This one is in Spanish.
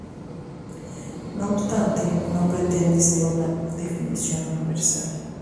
No obstante, no pretende ser una definición universal.